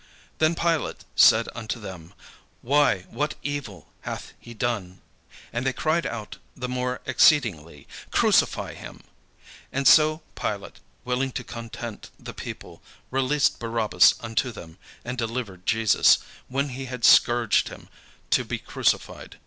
Then Pilate said unto them, "Why, what evil hath he done?" And they cried out the more exceedingly, "Crucify him." And so Pilate, willing to content the people, released Barabbas unto them, and delivered Jesus, when he had scourged him, to be crucified.